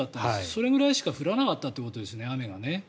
それぐらいしか降らなかったということですよね、雨がね。